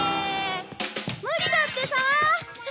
無理だってさ！